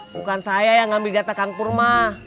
bukan saya yang ngambil jatah kang pur mah